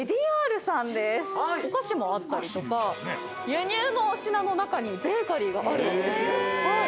お菓子もあったりとか輸入の品の中にベーカリーがあるんです。